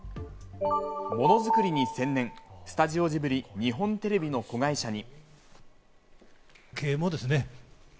ものづくりに専念、スタジオジブリ、日本テレビの子会社に。